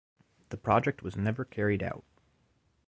The project was never carried out.